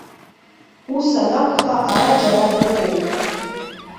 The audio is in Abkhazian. Ус анакәха, ара џьара дыҟоуп.